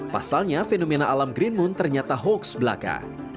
pasalnya fenomena alam green moon ternyata hoax belaka